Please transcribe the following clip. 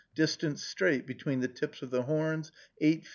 distance (straight) between the tips of the horns, 8 ft.